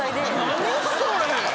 何それ！？